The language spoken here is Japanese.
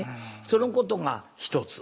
そのことが１つ。